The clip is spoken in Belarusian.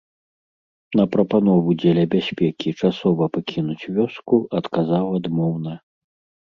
На прапанову дзеля бяспекі часова пакінуць вёску адказаў адмоўна.